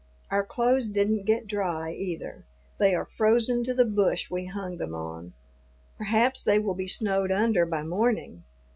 Our clothes didn't get dry either; they are frozen to the bush we hung them on. Perhaps they will be snowed under by morning.